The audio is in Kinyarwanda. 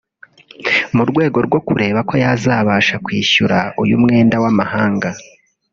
mu rwego rwo kureba ko yazabasha kwishyura uyu mwenda w’amahanaga